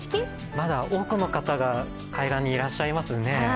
まだ多くの方が海岸にいらっしゃいますね。